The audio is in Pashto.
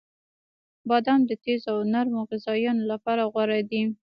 • بادام د تیزو او نرم غذایانو لپاره غوره دی.